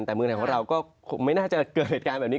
แต่เมืองไทยของเราก็ไม่น่าจะเกิดเหตุการณ์แบบนี้